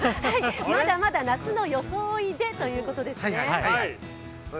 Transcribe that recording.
まだまだ夏の装いでということですね。